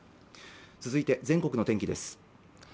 続いて全国の天気です